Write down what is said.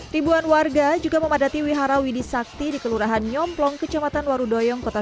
ribuan warga juga memadati wihara widi sakti di kelurahan nyomplong kecamatan warudoyong kota